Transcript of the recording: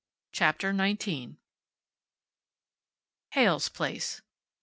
CHAPTER NINETEEN Heyl's place.